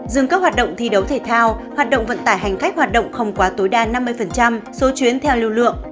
dừng các hoạt động thi đấu thể thao hoạt động vận tải hành khách hoạt động không quá tối đa năm mươi số chuyến theo lưu lượng